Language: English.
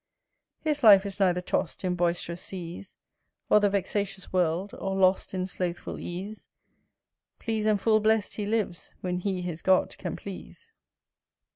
His life is neither tost in boisterous, seas, Or the vexatious world, or lost in slothful ease; Please and full blest he lives when he his God can please.